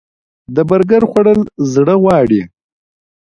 د برګر خوړل زړه غواړي